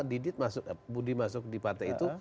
didit masuk budi masuk di partai itu